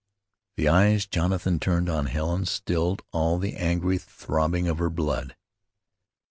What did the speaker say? The eyes Jonathan turned on Helen stilled all the angry throbbing of her blood.